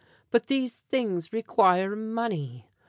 But these things require money.